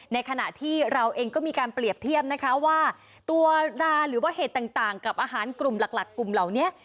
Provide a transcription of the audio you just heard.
ในขณะที่เราเองก็มีการเปรียบเทียบนะคะว่าตัวราหรือว่าเหตุต่างกับอาหารกลุ่มหลักกลุ่มเหล่านี้